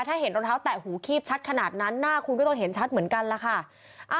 ถ้าเห็นรองเท้าแตะหูคีบชัดขนาดนั้นหน้าคุณก็ต้องเห็นชัดเหมือนกันล่ะค่ะ